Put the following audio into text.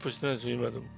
今でも。